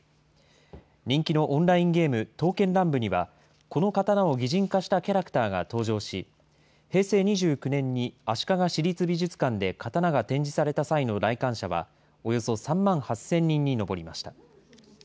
人気のオンラインゲーム、刀剣乱舞には、この刀を擬人化したキャラクターが登場し、平成２９年に足利市立美術館で刀が展示された際の来館者は、およそ３万８０００人に上りました。